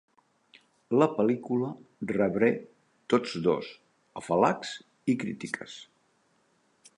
La pel·lícula rebre tots dos afalacs i crítiques.